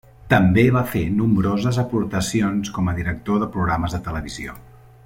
També va fer nombroses aportacions com a director de programes de televisió.